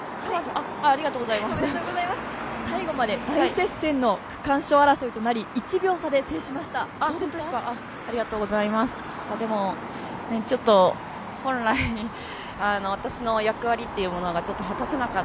最後まで大接戦の区間賞争いとなり、１秒差で制しましたが、どうですか？